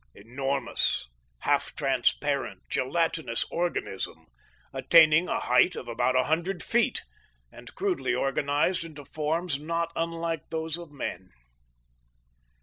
Enormous, half transparent, gelatinous organism, attaining a height of about a hundred feet, and crudely organized into forms not unlike those of men?